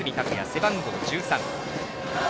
背番号１３。